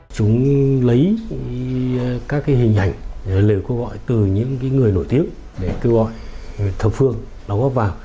chúng lấy các hình ảnh lời cố gọi từ những người nổi tiếng để kêu gọi thập phương đó góp vào